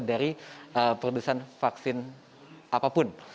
dari produsen vaksin apapun